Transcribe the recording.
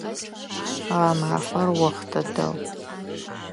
Гъэмафэр охътэ дэгъу.